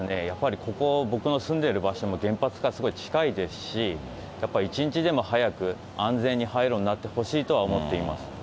やっぱりここ、僕の住んでる場所も原発からすごい近いですし、一日でも早く、安全に廃炉になってほしいとは思っています。